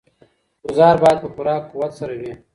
ګوزار باید په پوره قوت سره وي.